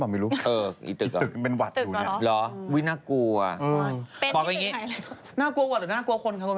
มีใครหรอ